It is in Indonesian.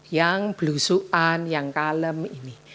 yang belusuan yang kalem ini